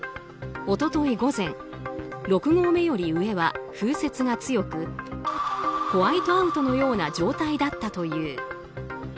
一昨日午前、６合目より上は風雪が強くホワイトアウトのような状態だったという。